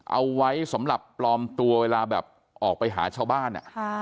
เอาไว้สำหรับปลอมตัวเวลาแบบออกไปหาชาวบ้าน